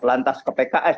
lantas ke pks